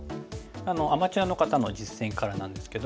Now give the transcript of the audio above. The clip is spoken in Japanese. アマチュアの方の実戦からなんですけども。